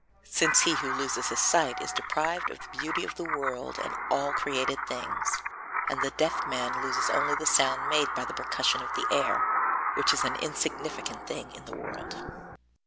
Since he who loves his sight is deprived of the beauty of the world and all created things, and the deaf man loves only the sound made by the percussion of the air, which is an insignificant thing in the world.